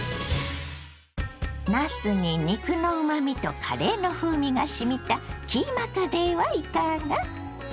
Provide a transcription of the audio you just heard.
なすに肉のうまみとカレーの風味がしみたキーマカレーはいかが。